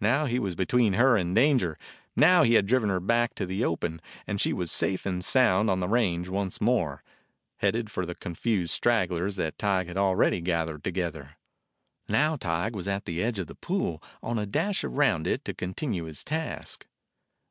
Now he was between her and danger. Now he had driven her back to the open, and she was safe and sound on the range once more, headed for the confused stragglers that Tige had already gathered together. Now Tige was at the edge of the pool, on a dash around it, to continue his task.